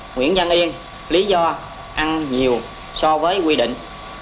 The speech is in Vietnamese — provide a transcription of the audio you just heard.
nguyễn văn yên lý do ăn nhiều so với quy định